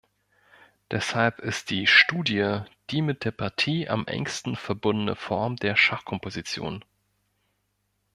Deshalb ist die "Studie" die mit der Partie am engsten verbundene Form der Schachkomposition.